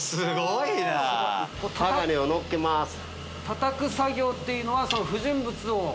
たたく作業っていうのは不純物を。